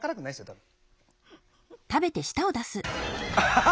多分。